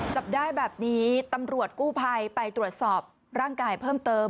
จับได้แบบนี้ตำรวจกู้ภัยไปตรวจสอบร่างกายเพิ่มเติม